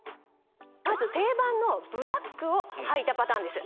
まず定番のブラックをはいたパターンです